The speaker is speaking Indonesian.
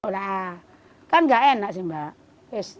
sekarang harus menjalani gini aja gak apa apa lah